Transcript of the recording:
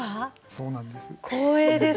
そうなんです。